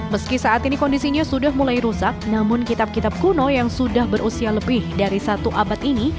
meski saat ini kondisinya sudah mulai rusak namun kitab kitab kuno yang sudah berusia lebih dari satu abad ini